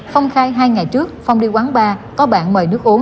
phong khai hai ngày trước phong đi quán bar có bạn mời nước uống